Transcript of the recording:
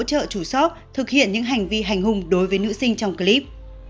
shop thực hiện những hành vi hành hùng đối với nữ sinh trong clip